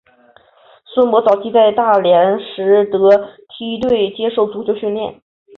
孙铂早期在大连实德梯队接受足球训练。